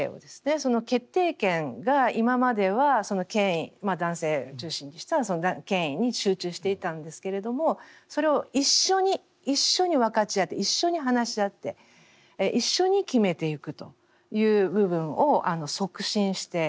その決定権が今までは権威男性中心にしてのその権威に集中していたんですけれどもそれを一緒に一緒に分かち合って一緒に話し合って一緒に決めていくという部分を促進しています。